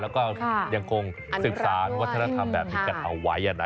แล้วก็ยังคงสืบสารวัฒนธรรมแบบนี้กันเอาไว้